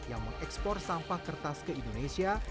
yang mengekspor sampah kertas ke indonesia